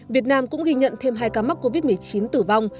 việt nam cũng ghi nhận thêm hai ca mắc covid một mươi chín tử vong